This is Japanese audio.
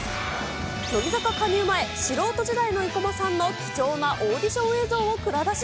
乃木坂加入前、素人時代の生駒さんの貴重なオーディション映像を蔵出し。